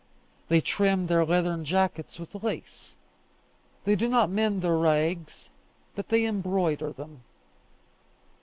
They trim their leathern jackets with lace. They do not mend their rags, but they embroider them.